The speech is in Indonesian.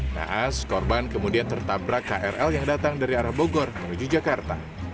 naas korban kemudian tertabrak krl yang datang dari arah bogor menuju jakarta